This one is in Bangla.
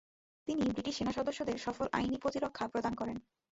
তিনি ব্রিটিশ সেনাসদস্যদের সফল আইনি প্রতিরক্ষা প্রদান করেন।